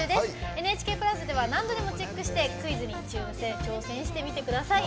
「ＮＨＫプラス」では何度でもチェックしてクイズに挑戦してみてください。